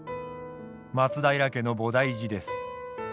松平家の菩提寺です。